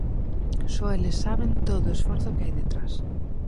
Só eles saben todo o esforzo que hai detrás.